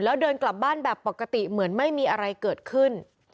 แล้วเดินกลับบ้านแบบปกติเหมือนไม่มีอะไรเกิดขึ้น